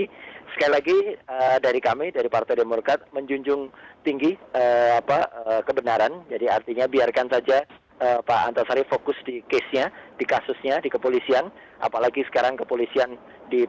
oke sekali lagi dari kami dari partai depokrasi